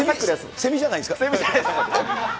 セミじゃないです。